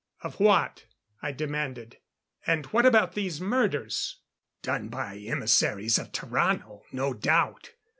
"Of what?" I demanded. "And what about these murders?" "Done by emissaries of Tarrano, no doubt.